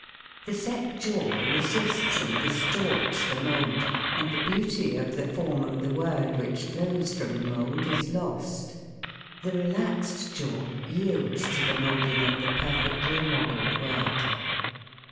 The set jaw resists and distorts the mould, and the beauty of the form of the word which flows from the mould is lost ; the relaxed jaw yields to the moulding of the perfectly mod elled word.